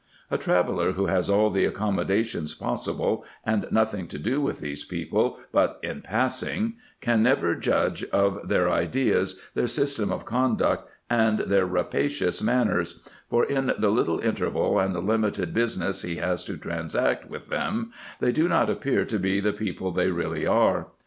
A traveller who has all the accommodation possible, and nothing to do with these people but in passing, can never judge of their ideas, their system of conduct, and their rapacious manners ; for in the little interval, and the limited business he has to transact with them, they do not appear to be the people they really are.